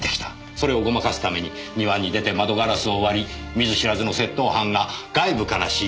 それをごまかすために庭に出て窓ガラスを割り見ず知らずの窃盗犯が外部から侵入した。